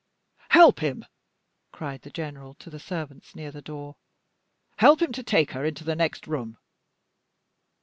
"Help him!" cried the general to the servants near the door. "Help him to take her into the next room!"